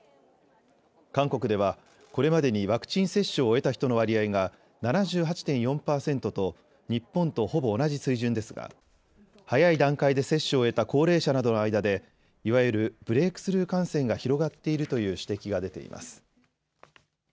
韓国では、これまでにワクチン接種を終えた人の割合が７８．４％と、日本とほぼ同じ水準ですが、早い段階で接種を終えた高齢者の間で、いわゆるブレークスルー感染が広がっているという指摘が出ています。